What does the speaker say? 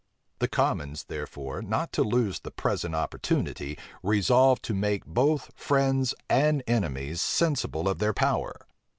The commons, therefore, not to lose the present opportunity, resolved to make both friends and enemies sensible of their power.